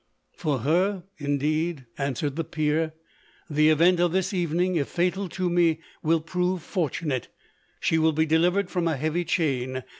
" For her, indeed," answered the peer, " the event of this evening, if fatal to me, will prove fortunate : she will be delivered from a heavy chain.